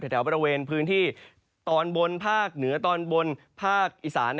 ถึงเที่ยวบริเวณพื้นที่ตอนบนภาคเหนือจังหวัดตอนบนภาคอีสาน